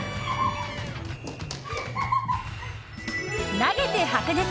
投げて白熱！